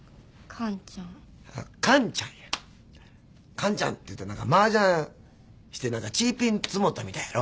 完ちゃんていうたら何かマージャンして何かチーピンつもったみたいやろ。なあ。